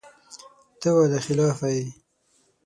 ته وعده خلافه یې !